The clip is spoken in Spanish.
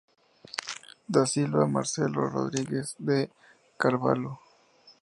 Da Silva y Marcelo Rodrigues de Carvalho.